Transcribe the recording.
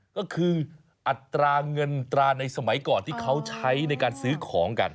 ก็คืออัตราเงินตราในสมัยก่อนที่เขาใช้ในการซื้อของกัน